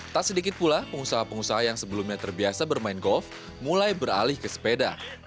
tak sedikit pula pengusaha pengusaha yang sebelumnya terbiasa bermain golf mulai beralih ke sepeda